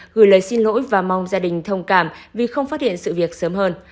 gửi lời xin lỗi và mong gia đình thông cảm vì không phát hiện sự việc sớm hơn